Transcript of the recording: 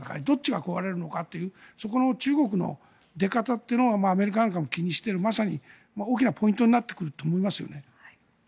どっちが壊れるのかというそこの中国の出方というのがアメリカなんかも気にしているまさに大きなポイントになってくると思いますよね。